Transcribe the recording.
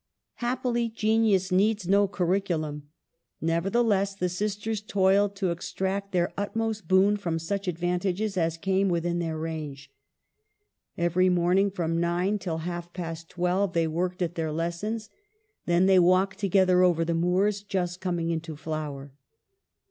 Hap pily genius needs no curriculum. Nevertheless the sisters toiled to extract their utmost boon from such advantages as came within their range. Every morning from nine till half past twelve they worked at their lessons ; then they walked together over the moors, just coming into flower.